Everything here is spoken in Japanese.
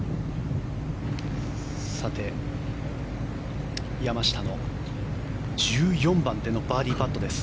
さて、山下の１４番でのバーディーパットです。